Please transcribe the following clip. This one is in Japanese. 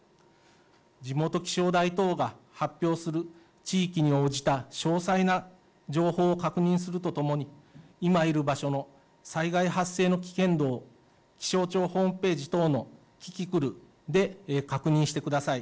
地元気象台等が発表する地域に応じた詳細な情報を確認するとともに今いる場所の災害発生の危険度を気象庁ホームページ等のキキクルで確認してください。